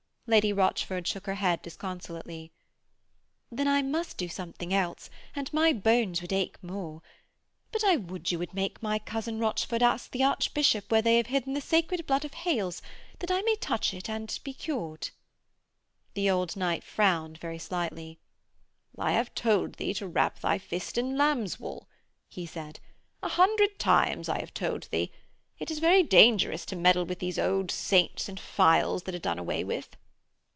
Lady Rochford shook her head disconsolately. 'Then I must do something else, and my bones would ache more. But I would you would make my cousin Rochford ask the Archbishop where they have hidden the Sacred Blood of Hailes, that I may touch it and be cured.' The old knight frowned very slightly. 'I have told thee to wrap thy fist in lamb's wool,' he said. 'A hundred times I have told thee. It is very dangerous to meddle with these old saints and phials that are done away with.'